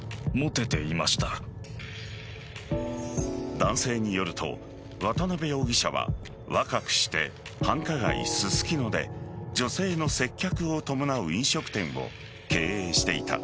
男性によると渡辺容疑者は若くして繁華街・ススキノで女性の接客を伴う飲食店を経営していた。